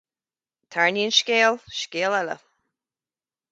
Tarraingíonn scéal scéal eile.